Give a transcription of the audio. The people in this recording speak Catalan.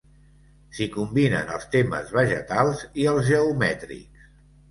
S'hi combinen els temes vegetals i els geomètrics.